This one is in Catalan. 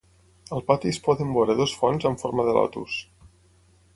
Al pati es poden veure dos fonts amb forma de lotus.